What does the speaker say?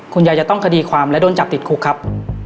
จะต้องคดีความและโดนจับติดคุกครับ